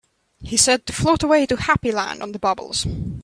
He said to float away to Happy Land on the bubbles.